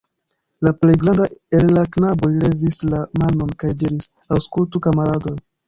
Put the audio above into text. La plej granda el la knaboj levis la manon kaj diris: Aŭskultu, kamaradoj!